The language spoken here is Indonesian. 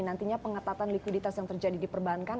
nantinya pengetatan likuiditas yang terjadi di perbankan